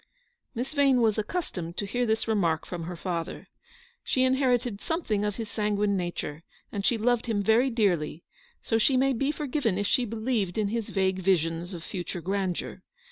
Miss Vane was accustomed to hear this remark from her father. She inherited something of his sanguine nature, and she loved him very dearly, so she may be forgiven if she believed in his vague visions of future grandeur.